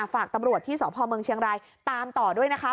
ฝากตำรวจที่สพเมืองเชียงรายตามต่อด้วยนะคะ